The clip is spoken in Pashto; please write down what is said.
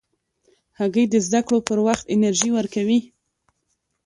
هګۍ د زده کړو پر وخت انرژي ورکوي.